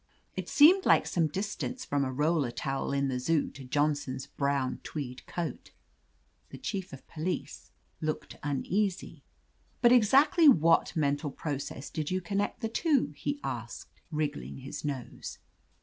It seemed like some distance from a roller towel in the Zoo to Johnson's brown tweed coat." The Chief of Police looked uneasy. "By exactly what mental process did you connect the two?" he asked, wriggling his nose.